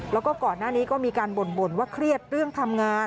แล้วก็ก่อนหน้านี้ก็มีการบ่นว่าเครียดเรื่องทำงาน